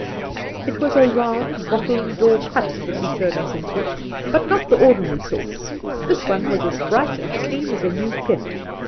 • It was a round wattle and daub hut that he showed us into, but not the ordinary sort. This one was as bright and clean as a new pin.